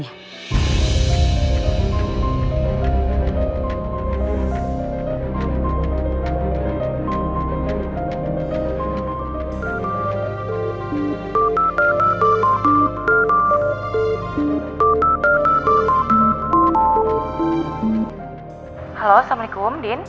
halo assalamualaikum indin